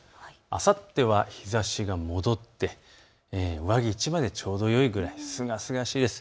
あさっては日ざしが戻って上着１枚でちょうどいいくらい、すがすがしいです。